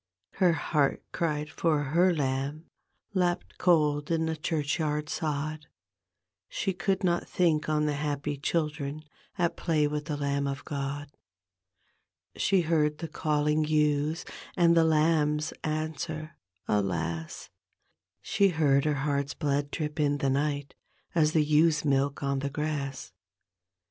Her heart cried for her lamb Lapped cold in the churchyard sod, She could not think on the happy children At play with ttiK Lamb of God. She heard the calling ewes And the lambs answer alas I She heard her heart's blood drip in die ni^t. As the ewes' milk on the grass.